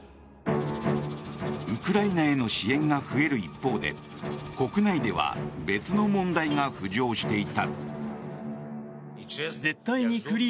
ウクライナへの支援が増える一方で国内では別の問題が浮上していた。